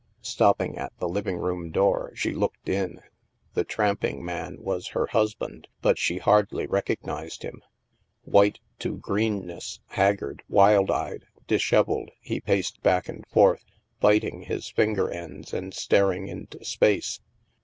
Stopping at the living room door, she looked in. The tramping man was her husband, but she hardly recognized him. White to greenness, haggard, wild eyed, dishevelled, he paced back and forth, biting his finger ends and staring into space.